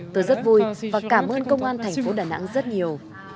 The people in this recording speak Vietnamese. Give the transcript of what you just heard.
tôi rất vui và cảm ơn công an thành phố đà nẵng rất nhiều